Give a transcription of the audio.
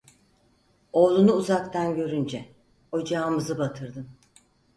Oğlunu uzaktan görünce: "Ocağımızı batırdın".